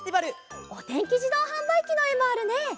「おてんきじどうはんばいき」のえもあるね。